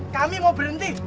kami mau berhenti